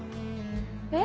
えっ？